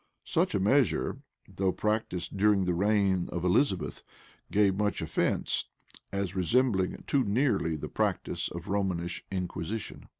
[] Such a measure, though practised during the reign of Elizabeth, gave much offence, as resembling too nearly the practice of the Romish inquisition.